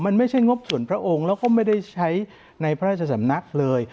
มันไม่ใช่งบส่วนพระองค์แล้วก็ไม่ได้ใช้ในพระราชสำนักเลย